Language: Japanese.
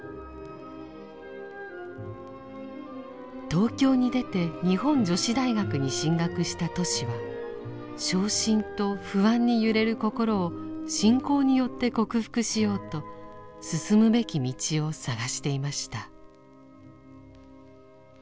東京に出て日本女子大学に進学したトシは傷心と不安に揺れる心を信仰によって克服しようと進むべき道を探していました。